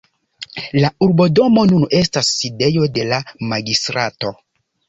La urbodomo nun estas sidejo de la magistrato.